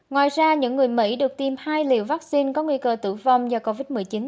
ngoài ra những người mỹ được tiêm hai liều vaccine có nguy cơ tử vong do covid một mươi chín